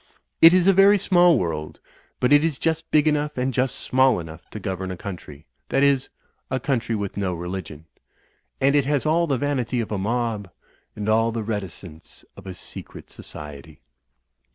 It is a very small world, but it is just big enough and just small enough to govern a country — ^that is, a country with no re ligion. And it has all the vanity of a mob; and all the reticence of a secret society.